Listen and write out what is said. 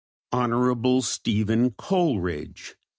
HON. STEPHEN COLERIDGE.